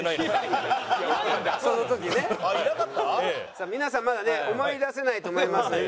さあ皆さんまだね思い出せないと思いますのでね